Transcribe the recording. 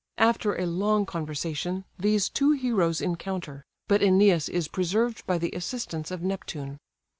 After a long conversation, these two heroes encounter; but Æneas is preserved by the assistance of Neptune.